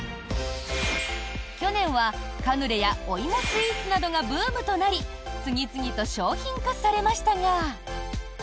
去年は、カヌレやお芋スイーツなどがブームとなり次々と商品化されましたが。